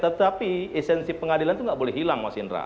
tetapi esensi pengadilan itu nggak boleh hilang mas indra